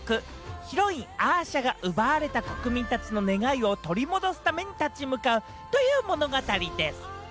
ヒロイン・アーシャが奪われた国民たちの願いを取り戻すために立ち向かうという物語です。